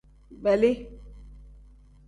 Beeli.